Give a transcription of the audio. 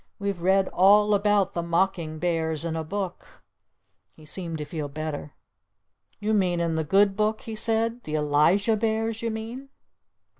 We've read all about the mocking bears in a book!" He seemed to feel better. "You mean in the good book?" he said. "The Elijah bears, you mean?"